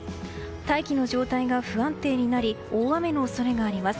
大気の状態が不安定になり大雨の恐れがあります。